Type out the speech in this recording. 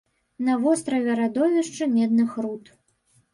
На востраве радовішчы медных руд.